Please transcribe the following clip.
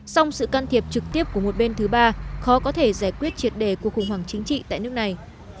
song sự can thiệp trực tiếp của một bên thứ ba khó có thể giải quyết triệt đề cuộc khủng hoảng chính trị tại nước này